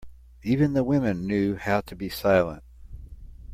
Even the women knew how to be silent.